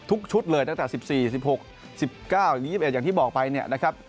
ชุดเลยตั้งแต่๑๔๑๖๑๙๒๑อย่างที่บอกไปเนี่ยนะครับ